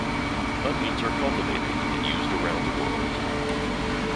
Onions are cultivated and used around the world.